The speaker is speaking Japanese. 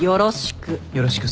よろしく。